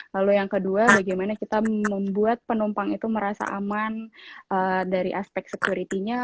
lalu yang kedua bagaimana kita membuat penumpang itu merasa aman dari aspek security nya